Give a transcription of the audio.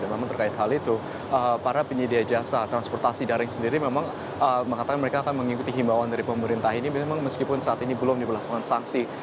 memang terkait hal itu para penyedia jasa transportasi daring sendiri memang mengatakan mereka akan mengikuti himbawan dari pemerintah ini meskipun saat ini belum diberlakukan sanksi